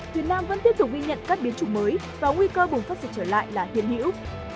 việt nam vẫn tiếp tục ghi nhận các biến chủng mới và nguy cơ bùng phát dịch trở lại là hiện hữu